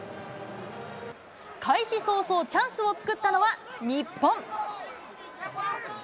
開始早々、チャンスを作ったのは、日本。